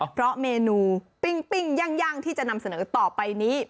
เพราะเมนูปิ้งย่างที่จะนำเสนอต่อไปนี้